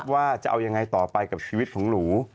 ว่าจะเอายังไงต่อไปกับชีวิตของหนู